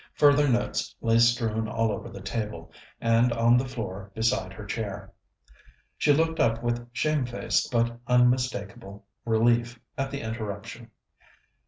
Further notes lay strewn all over the table and on the floor beside her chair. She looked up with shamefaced but unmistakable relief at the interruption.